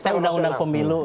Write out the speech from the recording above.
saya undang undang pemilu